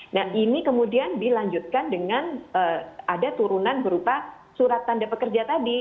nah ini kemudian dilanjutkan dengan ada turunan berupa surat tanda pekerja tadi